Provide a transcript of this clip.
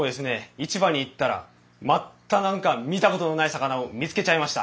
市場に行ったらまた何か見たことのない魚を見つけちゃいました。